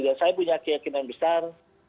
dan saya punya keyakinan besar